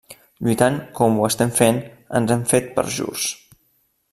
Lluitant com ho estem fent, ens hem fet perjurs.